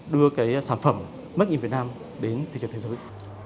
đưa cái sản phẩm made in vietnam đến thị trường thế giới